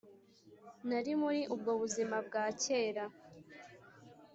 nari muri ubwo buzima bwa kera,